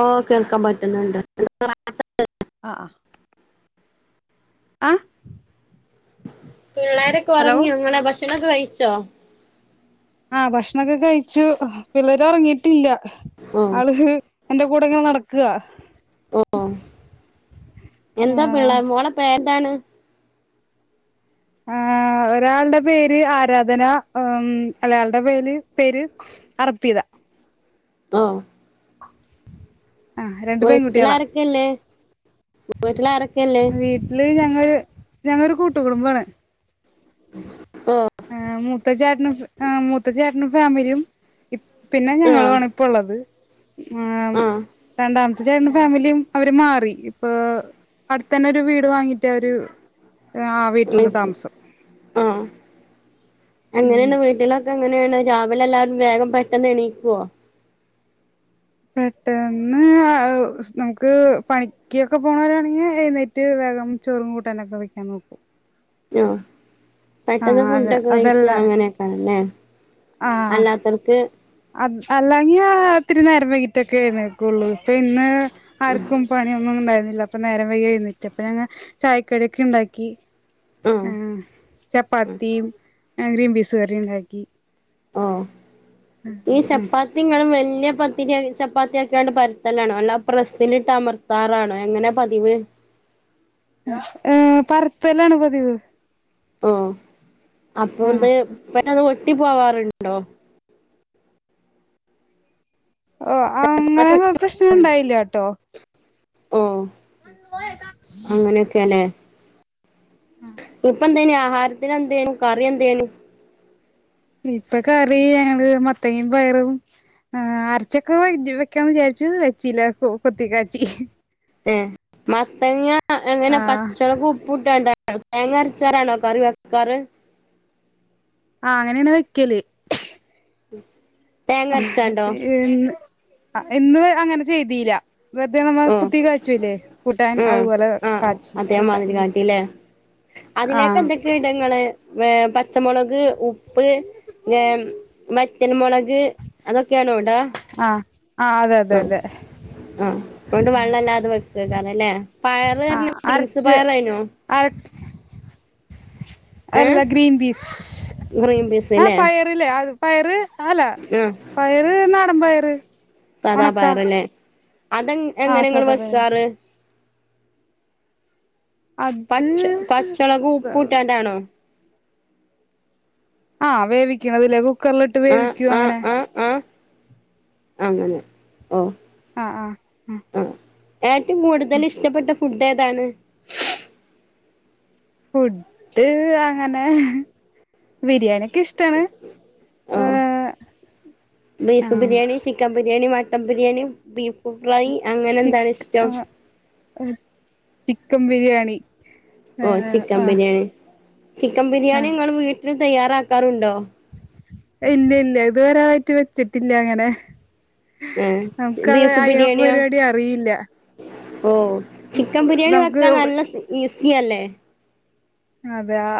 ഓ കേൾക്കാൻ പറ്റുന്നുണ്ട് ആ അ ആ പിള്ളേരെ ഹലോ കുറഞ്ഞു ഞങ്ങളെ ഭക്ഷ ഭക്ഷണമൊക്കെ കഴിച്ചോ ആ ഭക്ഷണൊക്കെ കഴിച്ചു പിള്ളേര് ഒറങ്ങിട്ടില്ല ഓ ആള് ഹ് എന്റെ കൂടെ ഇങ്ങനെ നടക്ക ഓ ആ എന്താ പിള്ളേ മോളെ പേര എന്താണ് ആ ഒരാളുടെ പേര് ആരാധന ഉം അലയാളുടെ പേര് പേര് അർപ്പിത ആ ആ രണ്ട് വീട്ടില പെൺകുട്ടികളാ ആരൊക്കെയല്ലേ വീട്ടില ആരൊക്കെയല്ലേ ഞങ്ങ ഞങ്ങൊരു കൂട്ടുകടുംബമാണ് ഉ ഓ മൂത്ത ചേട്ടനും മൂത്ത ചേട്ടനും ഫാമിലിയും പിന്നെ ആ ഞങ്ങളുംആണ് ഇപ്പ ഉള്ളത് ആ രണ്ടാമ സുജേട്ട്ന്റെ ഫാമിലിയും അവര് മാറി ഇപ്പൊ അടുത്തെന്നെ ഒരു വീട് വാങ്ങിട്ട് അവര് ആ വീട്ടില് താമസം ഉം എങ്ങനേണ് വീട്ടിലൊക്കെങ്ങനേണ് രാവിലെ എല്ലാരും വേഗം പെട്ടെന്ന് എണീക്കോ പെട്ടെന്ന് അ ഉസ് നമുക്ക് പണിക്ക്യോക്കെ പോണോരാണെങ്കി എഴുന്നേറ്റ് വേഗം ചോറും കൂട്ടാനൊക്കെ വെക്കാൻ നോക്കും ഞ്ഞോഹ് ആ പെട്ടെന്ന് അതെ ഫുണ്ടൊക്കെ കഴിച് അതല്ല അങ്ങനെക്കെ ആണ്ല്ലേ അല്ലാത്തർക്ക് അ അല്ലങ്കി ആ ഇത്തിരിനേരം വൈകിട്ടൊക്കെ എഴുന്നേൽക്കുള്ളൂ ഇപ്പൊ ഇന്ന് ആർക്കും പണിയ ഒന്നും ഇണ്ടായിരു ഇല്ല അപ്പ നേരം വൈയ്കി എഴുനേറ്റ് അപ്പ ഞാങ്ങ ചായക്കടി ഒക്കെ ഉണ്ടാക്കി ആ ചാപ്പാത്തി ആ ഗ്രീൻപീസ് കറി ഇണ്ടാക്കി ആ ഈ ചപ്പാത്തിങ്ങളും വ ഇ പത്തിരി ചപ്പാത്തി ആക്കിയാണ്ട് പരുത്തലാണോ അല്ല പ്രസ്സിൽട്ട് അമർത്താറാണോ എങ്ങനെ പതിവ് ഏ പരത്തല്ലാണ് പതിവ് ആ ആഹ് അപ്പൊന്ത് [unintelligible] കട്ടി പോവാറുണ്ടോ ഓ ചപ്പാത്തി അങ്ങനെ പ്രശ്നങ്ങ ഉണ്ടായില്ല ട്ടോ ആ അങ്ങനെയൊക്കെല്ലേ ഇപ്പം തന്നെ ആ ഹാരത്തിന് എന്തേന് കറി എന്തേനി ഇപ്പ കറി ഞങ്ങള് മത്തങ്ങിം പയറും അരച്ചൊക്കെ [unintelligible] വെക്കാന്ന് വിചാരിച്ചു വെച്ചീല്ല കൊ കൊത്തിക്കാച്ചി ഏഹ് മത്തങ്ങ്യ എങ്ങനെ ആഹ് പച്ചൊളകു ഉപ്പൂട്ടാണ്ടാ തേങ്ങര്ച്ചാറാണോ കറി വെക്കാറ് അങ്ങനേണ് വെക്കല് ഉം [unintelligible] പീൻന് ഇന്ന് അങ്ങനെ ചെയ്തീല്ല വെറുതെ നമ്മള് ഓ കുത്തി കാച്ചുല്ലേ കൂട്ടാൻ ആ അതുപോലെ ആ ആ കാച്ചി കൂട്ടാൻ അതേമാതിരി ഉം കാട്ടില്ലേ അതിലേക്ക് ആഹ് എന്തൊക്കെ ഇട ഇങ്ങള് പച്ചമുളക് ഉപ്പ് മറ്റൻമുളക് അതൊക്കെയാണോ ഇടാ ആഹ് ആഹ് അതെ അതെ ആ അതെ ആ [unintelligible] വെള്ളല്ലാതെ വെ ട്ട് കാനല്ലേ ആ അരച്ച് അര ഏ അല്ല ഗ്രീൻ പീസ് ഗ്രീൻ പീസ് ആ ല്ലേ പയറ്ല് അത് പയറ് ആല ആ പയറ് നാടൻ പയറ് സാദാ ഉണക്കാ പയറ്ല്ലേ അതെ എങ്ങ് എനെങ്ങള് വെക്കാറ് അത് പച്ച പച്ചളകും ഉപ്പ് ഇട്ടാണ്ടാണോ ആഹ് വേവിക്കണതിലേ ക്കറിലിട്ട് ആ വേവിക്കൂ ആ അങ്ങനെ ആ ആ അങ്ങനെ ഓ ആ ആ ഉം ആ ഏറ്റവും കൂടുതൽ ഇഷ്ടപ്പെട്ട ഫുഡ് ഫുടേതാണ് ഫുഡ് അങ്ങനെ ബിരിയാണിയൊക്കെ ഇഷ്ടാണ് ആ ഏഹ് ബീഫ് ആഹ് biryani chicken biryani mutton biryani beef fry അങ്ങനെ എന്താണ് ചിക്ക് ഇഷ്ടം ആഹ് ചിക്കൻ ബിരിയാണി ഓ ഏഹ് ചിക്കൻ ആഹ് ബിരിയാണി ചിക്കൻ ബിരിയാണി ആഹ് ങ്ങ വ് ത്രി തയ്യാറാക്കാറുണ്ടോ ഇല്ല ഇല്ല ഇത് വരായിട്ട് വെച്ചിട്ടില്ല അങ്ങനെ ഏ നമുക്കത് ബീഫ് അയ്യ ബിരിയാണിയോ പരിപാടി അറിയില്ല ഓ ചിക്കൻ ബിരിയാണി നമുക്ക് വെക്കാൻ നല്ല ഈസി നീയാല്ലേ അതെ ആ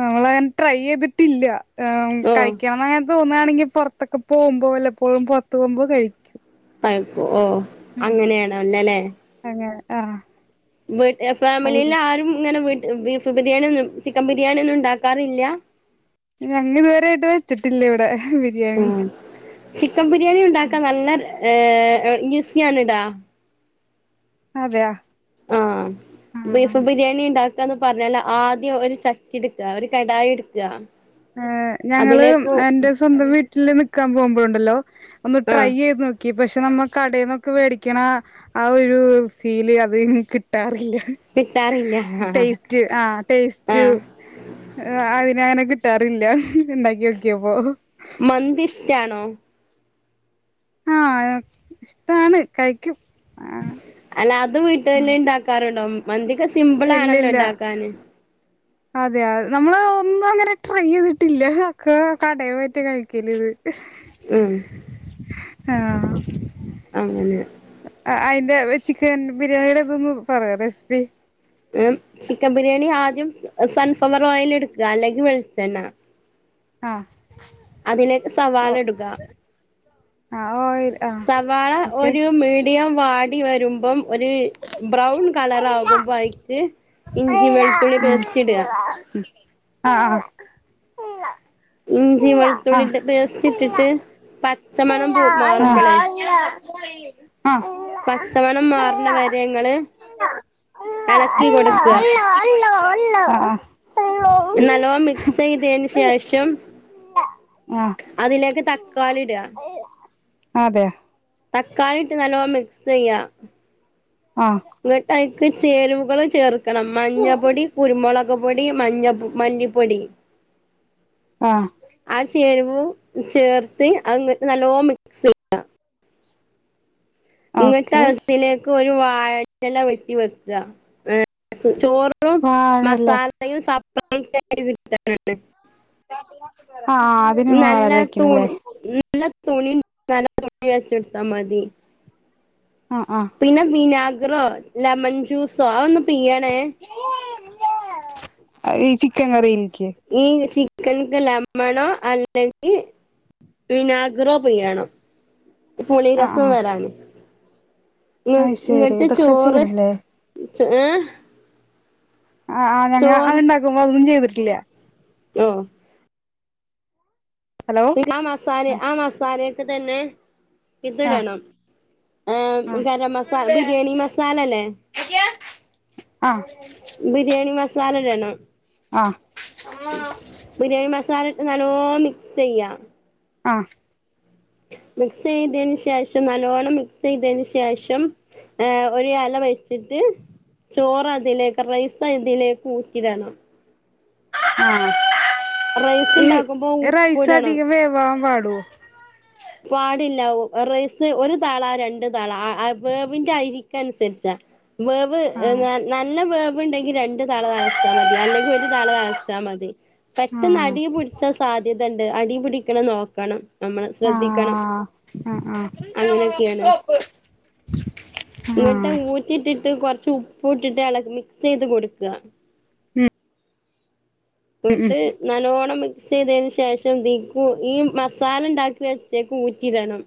നമ്മളങ്ങനെ ട്രൈ ചെയ്തിട്ടില്ല ആം ഓ കഴിക്കാവുന്ന [unintelligible] തോന്നുകയാണെങ്കിൽ പുറത്തൊക്ക പോകുമ്പോ വല്ലപ്പോഴും പുറത്തത്ത് പോകുമ്പോ കഴിക്കും പൈ പോ ഓ അങ്ങനെയാണോ അങ്ങനെ ആ വീട്ട് ഫാമിലിയില് ആരും ഇങ്ങനെ വീട്ട് ബീഫ് ബിരിയാണി ഒന്നും ചിക്കൻ ബിരിയാണി ഒന്നും ഉണ്ടാക്കാറില്ല ഞങ്ങ ത്വരായിട്ട് വെച്ചിട്ടില്ലേ ഇവിടെ ബിരിയാണി ഏഹ് ന്യുസിയാണ് ടാ അതെയാ ആഹ് ആഹ് ബീഫ് ബിരിയാണി ഇണ്ടാ ക്കാന്ന് പറഞ്ഞാല് ആദ്യം ഒരു ചട്ടി ഇട്ക്കാ ഒരു കടായി ഇട്ക്കാ ഏഹ് ഞങ്ങള് എന്റെ സ്വന്തം വി ട്ടില് നിക്കാൻ പോവുമ്പഴുണ്ടല്ലോ ഒന്ന് ആഹ് ട്രൈയെയ്ത് നോക്കി പശ് [unintelligible] നമ്മ കടേന്നൊക്കെ വേടിക്ക്ണ ആ ഒരു ഫീല് അത് കിട്ടാറില്ല കിട്ടാറില്ല [unintelligible] ടേസ്റ്റ് ആ ടേസ്റ്റ് ആഹ് അതിനാന കട്ടാറില്ല ഉണ്ടാക്കി ഒോക്കിയ പോ മന്തി ഷ്ടാണോ ആഹ് ഇഷ്ടാണ് കഴിക്കും ആഹ് അല്ല അത് ഉം വീട്ടല്ല ഇണ്ടാക്കാറുണ്ടോ മന്തിച്ച് സിംമ്പിൾ ആണല്ലോ ഉണ്ടാക്കാന് അതെതെ നമ്മള് ഒന്നും അങ്ങനെ ട്രൈ ചെയ്തിട്ടില്ല അക്ക കടേവെച്ച് കഴിക്കല് ഇത് ഉം അ [inaudible] ആഹ് അങ്ങനെ അയിന്റെ ചിക്കൻ ബിരിയാണിയുടെതൊന്ന് പറയാ റെസിപ്പി ആ ചിക്കൻ ബിരിയാണി ആദ്യം സൺഫ്ലവർ ഓയിൽ എടുക്കുക അല്ലെങ്കിൽ വെളിച്ചെണ്ണ ആ അതിലേക്ക് സവാള ഓ എടുക ആ ഓയിൽ ആ സവാള ഓക്കെ ഒരു മീഡിയം വാടി വരുമ്പം ഒരു ബ്രൗൺ കളർ ആകുമ്പോ അയക്ക് അല്ല- [inaudible] ആഹ് - ഇഞ്ചി വെളുത്തുള്ളിട്ട് പേസ്റ്റ് ഇട്ടിട്ട് പ ച്ചമണം പോ മാറുമ്പളെ- [unintelligible] പച്ചമണം മാറുന്നവരെ ങ്ങള് എളക്കിക്കൊടുക്ക്ക- ഇള്ളാ- നല്ലോണംമിക്സ് ചെയ്തതിന് ശേഷം അതിലേക്ക് തക്കാളി ഇടുക. ട- ആതെ- തക്കാളിയിട്ട് നല്ലോണം മിക്സ് ചെയ്യാ- ആ മിഠായി- ത് ചേരുവകള് ചേർ ക്കണം മഞ്ഞപ്പൊടി കുരുമൊളക് ചുക്ക്പൊടി മഞ്ഞ, മല്ലിപ്പൊടി- ആ ആ ചേരും- ഉപ്പും ചേർത്ത് അത് എന്നിട്ട് നല്ലോണംമിക്സ് ചെയ്യുക. ഇങ്ങട്ട് ഓക്കെ അകത്തിലേക്കും ഒരു വാ വാഴേൻ്റെല വെട്ടി വെക്കാ [unintelligible] ചോറും വാഴല്ലേ മസാലയും സ [unintelligible] ആ ആ അതിനു നല്ല വാഴെല വെക്കണല്ലേ തുണി നല്ല തുണി [unintelligible] നല്ല തുണി വെച്ചെടുത്താ മതി. ആഹ് ആഹ് പിന്നെ വിനാഗ് റോ ലെമൺ ജ്യൂസോ ആ ഒന്ന് പിഴിയണേ ആ ഈ ചിക്കൻ കറീൻ ഈ ചിക്ക് ചിക്കൻക്ക് ലെമണോ അല്ലെങ്കി വിനാഗറോ പിഴിയണം. [unintelligible] ആഹ് പുളിരസം ആഹ് വരാന്. ഇങ് അത് ശരി ഇങ്ങട്ട് ഇതൊക്കെ ചോറ് ചെയ്യണല്ലേ ചെ ഏ ആ ആ ഞങ്ങ അതുണ്ടാക്കുമ്പോ ഒന്നും [unintelligible] ചെയ്തിട്ട് ഇല്ലാ ഹലോ [unintelligible] മസാലേം ആ മസാലേം ഇതൊക്കെ തന്നെ. ആഹ് ഇതിടണം ഏ ആഹ് ഗരം മസാല ബിരിയാണി മസാല ആല്ലേ ആ ബിരിയാണി മസാല ഇടണം ആ മൂ ബിരിയാണി മസാല ഇത്‌ നാലോ മിക്സ്യ്യാ ആ മിക്സ് ചെയ്തെന് ശേഷം നല്ലവോണ്ണം മിക്സ് ചെയ്തെന് ശേഷം ഏ ഒരു എല വെച്ചിട്ട് ചോറ് അതിലേക്ക് റൈസ് അതിലേക്ക് ഊറ്റിടണം ആ റൈസ് ഈ ഉണ്ടാക്കുമ്പോ ഉപ്പ് റൈസ് അധികം വേവാൻ പാട് ട്ടോ പാടില്ല റേസ് ഒരു താളാ രണ്ടു താളാ വേവിൻ്റെ അരിക്ക അനുസരിച്ചാ വേവ് ആഹ് നനല്ല വേവ് വ്ണ്ടായി രണ്ട് താ തളച്ചാൽ മതി അല്ലെങ്കിൽ ഒരു തള തളച്ചാൽ മതി പെട്ടെന്ന് ആഹ് അടിയെ പിടിച്ച സാധ്യത ഇത്ണ്ട് അടിപിടിക്കണം നോക്കണം അം ആഹ ആ ആപ്പ് [unintelligible] കുഷ് ഇങ്ങിട്ട് ഊറ്റിട്ടിട്ട് കൊറ ചഉപ്പ് ഇട്ടിട്ട് അള മിക്സ് ചെയ്ത് കൊടുക്കാം വിട്ട് നല്ലോണം മിക് മിക്സ് ചെയ്തതിന് ശേഷം ബിക്കു ഈ മസാല ഉണ്ടാക്കി വെച്ചേക്ക് ഊറ്റിടണം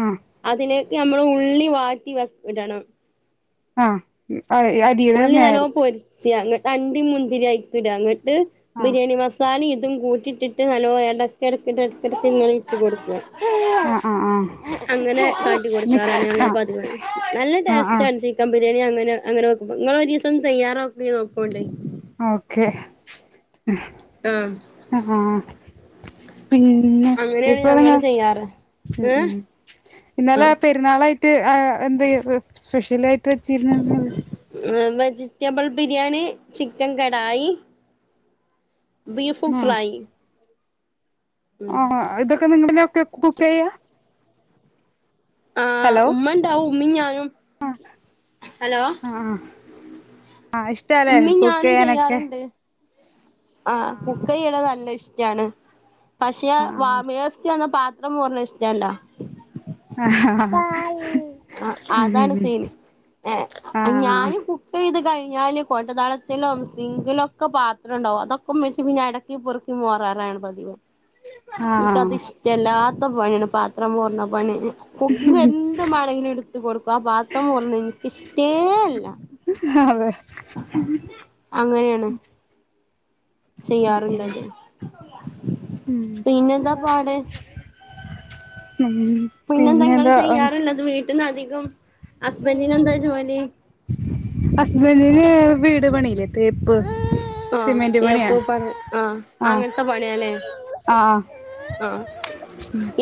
ആഹ് അതിനെ നമ്മൾ ഉള്ളി വട്ടി വെക്കണം ഹ് എ അരിയുംമേൽ നല്ലോം ഹ [unintelligible] അണ്ടി മുന്തിരി ആയിക്കിടാണ്ട് ആഹ് ഹ്ബിരിയാണി മസാല ഇട്ട് ഇ കൂട്ടിയിട്ടിട്ട് നല്ലോം ഇളക്കി എടക്കെടക്ക് ഇങ്ങനെ ഇട്ട്കൊടുക ആഹ് ആഹ് ആഹ് അങ്ങനെ കാട്ടി മിക്സ് കൊടുക്കാറാണ് അങ്ങളെ ആഹ് പതിവ് നല്ല ആഹ് ടേസ്റ്റ്ണ് ചിക്ക ബി ബിരിയാണി അങ്ങനെ [unintelligible] നിങ്ങൾ ഒരുദിവസം തയ്യാറാക്കി നോക്കുണ്ടി ഓക്കെ ആഹ് ഹ ഹ അ [unintelligible] പിന്നെ അങ്ങനെയാണ് ഇപ്പോഴത ഞങ്ങള് ചെയ്യാറ് ഏഹ് ഉം ഇന്നലെ ആഹ് പെരുന്നാളായി [unintelligible] സ്പെഷ്യൽ ആയിട്ട് വെച്ചിരുന്ന നെന് vegetable biryani chicken kadai beef fry ഉം ഹ ഇതൊക്കെനിങ്ങളന്നെ ഇത്കുക്കയ്യാ ഹ ഉമ്മണ്ടാവും ഉമ്മി ഞാനും ഹലോ ഹ ഇഷ്ടംഅല്ലേ കുക്കയ്യനേക്കെ ഹ കുക്കയിനെ നല്ല ഇഷ് [unintelligible] ണ് പക്ഷെ വ മേർച്ചന്ന പ ത്രം മോർണ ഇഷ്ടല്ല ആഹ ആ അതാണ് സീൻ ഏ ആഹ് ഞാനും കുക്ക് ചെയ്ത് കയ് ഞ്ഞാല് കൊട്ടതളത്തിലും, സിങ്കിലും ഒക്കെ പാത്രംണ്ടാവും അതൊക്കെ ഇമ്മച്ചി പിന്നെ അടക്കി പൊറക്കി മോറാറാണ് പതിവ് ആഹ് ഇൻക്കതിഷ്ട്ടല്ലാ ത്ത പണിയാണ് പാത്രം മോർണ പണി കുക്കിംഗ്‌ എന്ത് മാണെങ്കിലും ഇടുത്തു കൊടുക്കും ആ പാത്രം മോർണെ ഇൻക്കിഷ്ട്ടേ അല്ല അതെ അങ്ങനെയാണ് ഉം ചെയ്യാറില്ലത് ശ ഉം പിന്നെ എന്താ പാട് ഉം പിന്നെന്താ ന്നധികം അസ്ബന്റിന് വീട്പണീലെ തേപ്പ് ആ സിമെന്റ് പണിയാ എപ്പ പറ ആ ആഹ് അങ്ങനത്തെ പണിയല്ലേ ആഹ് ആ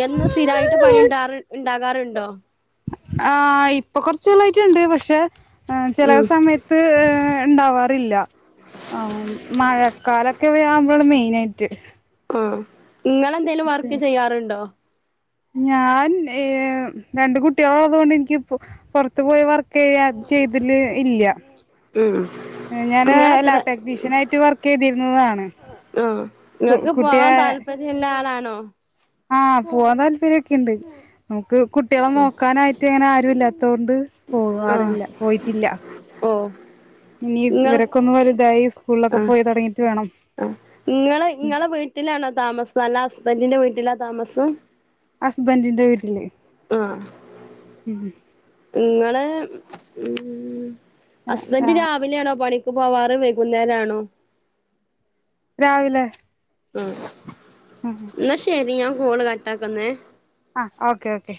എന്നും സ്ഥിരായിട്ട് പണിണ്ടാറ് ഇണ്ടാകാറ് ണ്ടോ ആഹ് ഇപ്പൊ കൊറച്ചാളായിട്ടുണ്ട് പക്ഷെ ആ ചില ഉം സമയത്ത് ഉണ്ടാവാറില്ല ആ മഴക്കാലൊക്കെ [unintelligible] [unintelligible] മെയിൻ ആയിട്ട് ആ നിങ്ങളെന്തേലും വർക്ക് ചെയ്യാറുണ്ടോ? ഞാൻ ഏ രണ്ട് കുട്ടികളൊള്ളതുക്കൊണ്ട് എനിക്ക് പൊറത്ത് പോയി വർക്ക് ചെയ്യാ ചെയ്തില്ലേ ഇല്ല ഉം ഞാന് ഇങ്ങളെത്ര ലാബ് ടെക്നീഷ്യനായിട്ട് വർക്ക് ചെയ്തിരുന്നതാണ് ആഹ് കു ഇങ്ങക്ക് പോവാൻ കുട്ടിയായെ താല്പര്യള്ള ആളാണോ ആഹ് പോവാൻ താല്പര്യക്കെണ്ട് കുട്ടികളെ നോക്കാനായിട്ട് അങ്ങനെ ആരും ഇല്ലാത്തൊണ്ട് ആഹ് പോവാറില്ല പോയിട്ടില്ല ഓഹ് ഇനി ഇവരക്കൊന്നു വലുതായി സ് ആ ആ ഇങ്ങള് ഇങ്ങളെ വീട്ടിലാണോ താമസം അല്ല ഹസ്ബന്റ് റ്റിന്റെ വീട്ടിലാ താമസം ഹസ്ബന്റിന്റെ വീട്ടില് ആ ഉ ഹും നിങ്ങളെ ഉം ആഹ് ഹസ്ബന്റ് ആഹ് രാവിലെ ആണോ പണി ക്ക് പോവാറ് വൈകുന്നേര ആണോ രാവിലെ ഉം ആഹ് എന്ന ശരി ഞാ കോള് കട്ടാക്കുന്നേ ഓക്കെ ഓക്കെ